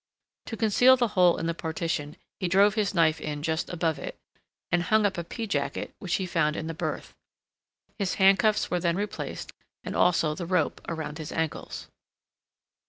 To conceal the hole in the partition, he drove his knife in just above it, and hung up a pea jacket which he found in the berth. His handcuffs were then replaced, and also the rope around his ankles.